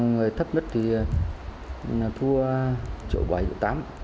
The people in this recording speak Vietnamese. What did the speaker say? người thấp nhất thì thua một triệu bảy một triệu tám